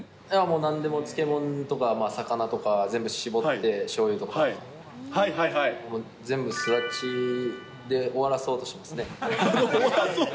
なんでも、漬物とか魚とかは全部搾って、しょうゆとか、全部すだちで終わらそうとしますね。